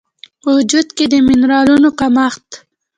په وجود کې د مېنرالونو کمښت